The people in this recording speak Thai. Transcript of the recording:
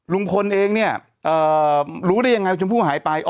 ลุงพลเองเนี่ยรู้ได้ยังไงว่าชมพู่หายไป